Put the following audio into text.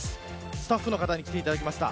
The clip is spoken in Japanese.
スタッフの方に来ていただきました。